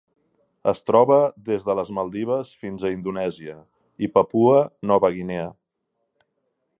Es troba des de les Maldives fins a Indonèsia i Papua Nova Guinea.